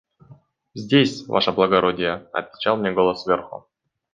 «Здесь, ваше благородие», – отвечал мне голос сверху.